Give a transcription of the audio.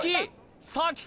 さあきた！